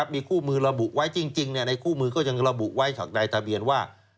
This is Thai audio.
มีคู่มือระบุไว้จริงในคู่มือก็ยังระบุไว้ในทะเบียนว่า